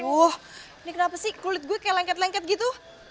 wah ini kenapa sih kulit gue kayak lengket lengket gitu